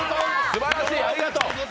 すばらしい、ありがとう。